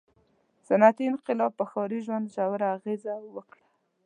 • صنعتي انقلاب پر ښاري ژوند ژوره اغېزه وکړه.